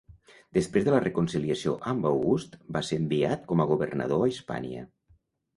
Després de la reconciliació amb August va ser enviat com a governador a Hispània.